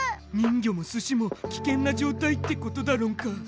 人魚もスシも危険な状態ってことだろんか。